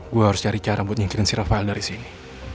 gue harus cari cara buat nyingkirin si rafael dari sini